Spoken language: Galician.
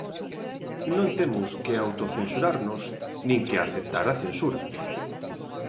Non temos que autocensurarnos nin que aceptar a censura.